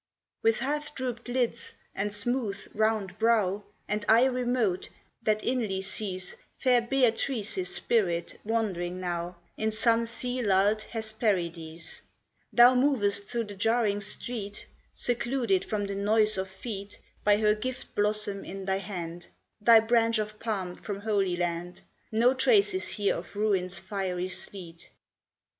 With half drooped lids, and smooth, round brow, And eye remote, that inly sees Fair Beatrice's spirit wandering now In some sea lulled Hesperides, Thou movest through the jarring street, Secluded from the noise of feet By her gift blossom in thy hand, Thy branch of palm from Holy Land; No trace is here of ruin's fiery sleet.